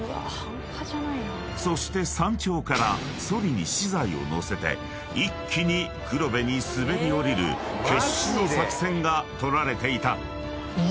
［そして山頂からそりに資材を載せて一気に黒部に滑り降りる決死の作戦が取られていた］